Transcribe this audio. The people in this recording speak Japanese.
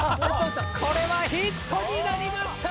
これはヒットになりました！